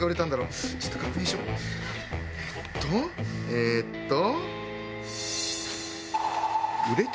えっと。